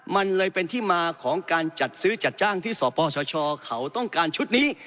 มันเลยเป็นที่มาของการจัดซื้อจัดจ้างที่สปสชเขาต้องการชุดนี้